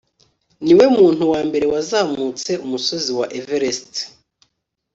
Niwe muntu wa mbere wazamutse umusozi wa Everest